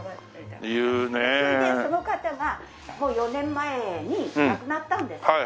それでその方が４年前に亡くなったんです。